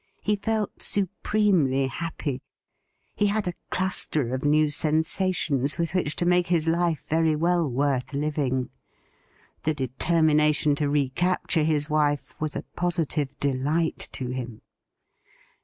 He felt supremely happy ; he had a cluster of new sensations with which to make his life very well worth living. The determination to recapture his wife was a positive delight to him.